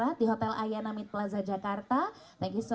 kita kenalan si